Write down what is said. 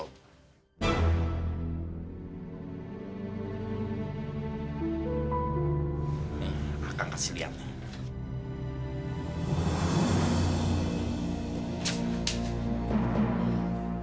nih akang kasih lihat nih